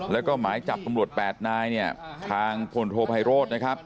และก็หมายจับปำรวจ๘นายทางพลโทษไพโรส